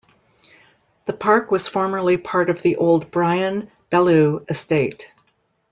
The park was formerly part of the old Bryan-Bellew Estate.